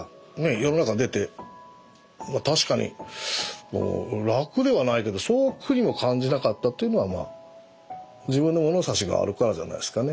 世の中へ出て確かに楽ではないけどそう苦にも感じなかったというのは自分の物差しがあるからじゃないですかね。